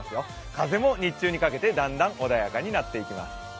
風も日中にかけてだんだん穏やかになっていきます。